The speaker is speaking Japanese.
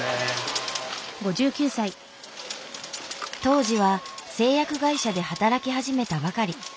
当時は製薬会社で働き始めたばかり。